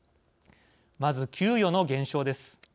まず、給与の減少です。